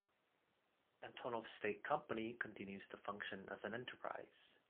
Antonov State Company continues to function as an enterprise.